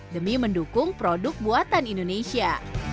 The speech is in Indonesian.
demi mendukung produk buatan indonesia